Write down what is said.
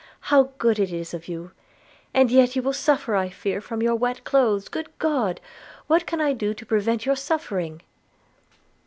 How good it is of you! – and yet you will suffer, I fear, from your wet clothes. Good God! what can I do to prevent your suffering?'